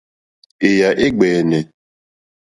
Èyà é ɡbɛ̀ɛ̀nɛ̀.